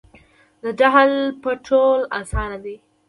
د ډهل پټول اسانه دي .